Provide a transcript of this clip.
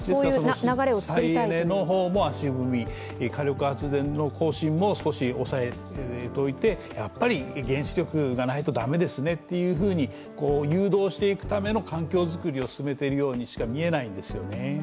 再エネの方も火力発電の更新も少し抑えておいて、やっぱり原子力がないと駄目ですねと誘導するための環境作りを進めているとしか見えないんですよね。